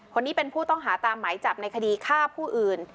คนนี้เป็นผู้ต้องหาตามหมายจับในคดีฆ่าผู้อื่น